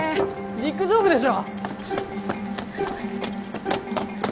陸上部でしょ